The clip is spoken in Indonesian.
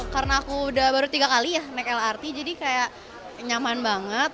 karena aku udah baru tiga kali ya naik lrt jadi kayak nyaman banget